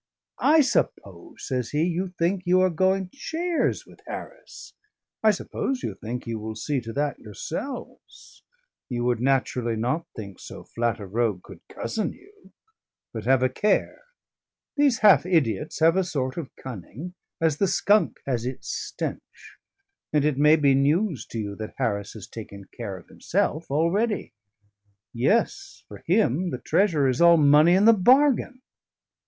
"I suppose," says he, "you think you are going shares with Harris, I suppose you think you will see to that yourselves; you would naturally not think so flat a rogue could cozen you. But have a care! These half idiots have a sort of cunning, as the skunk has its stench; and it may be news to you that Harris has taken care of himself already. Yes, for him the treasure is all money in the bargain.